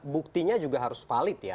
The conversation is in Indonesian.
buktinya juga harus valid ya